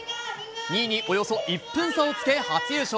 ２位におよそ１分差をつけ初優勝。